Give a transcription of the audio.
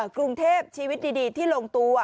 กรุงเทพชีวิตดีที่ลงตัว